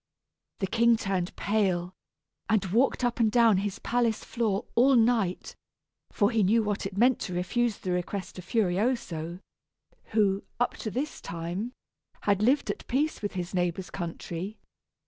The king turned pale, and walked up and down his palace floor all night, for he knew what it meant to refuse the request of Furioso, who, up to this time, had lived at peace with his neighbor's country.